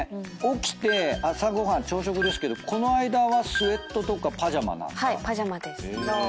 起きて朝ご飯朝食ですけどこの間はスエットとかパジャマなんですか？